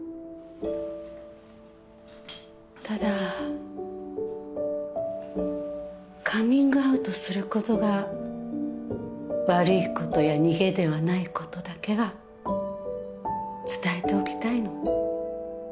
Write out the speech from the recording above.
ただカミングアウトすることが悪いことや逃げではないことだけは伝えておきたいの。